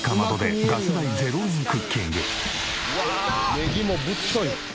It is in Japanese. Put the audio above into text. ネギもぶっとい。